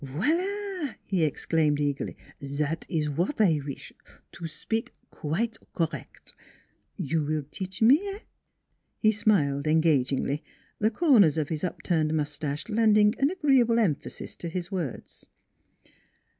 " Voila! " he exclaimed eagerly; " zat is w'at I wish to spik quite correct. You will teach me eh?" He smiled engagingly, the corners of his up turned mustache lending an agreeable emphasis to his words.